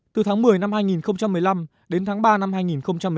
từ tháng một mươi năm hai nghìn một mươi năm đến tháng ba năm hai nghìn một mươi chín